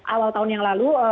awal tahun yang lalu